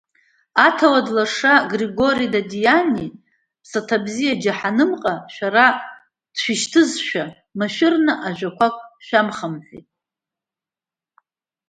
Аҭауад лаша Григори Дадиани ԥсаҭабзиа џьаҳанымҟа Шәара дшәышьҭызшәа, машәырны ажәақәак шәамхаҳәеит…